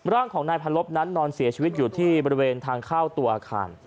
ร่างของนายพันลบนั้นนอนเสียชีวิตอยู่ที่บริเวณทางเข้าตัวอาคาร